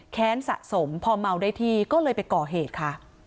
สะสมพอเมาได้ที่ก็เลยไปก่อเหตุค่ะ